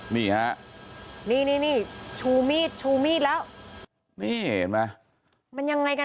นี่ฮะนี่นี่ชูมีดชูมีดแล้วนี่เห็นไหมมันยังไงกัน